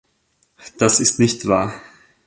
Das ist nicht wahr!